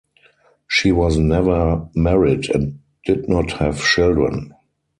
She was never married and did not have children.